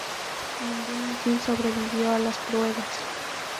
Ningún misil sobrevivió a las pruebas.